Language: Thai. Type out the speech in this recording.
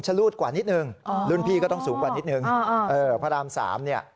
รูดกว่านิดนึงรุ่นพี่ก็ต้องสูงกว่านิดนึงพระราม๓เนี่ย